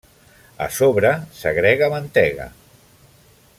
A sobre s'agrega mantega.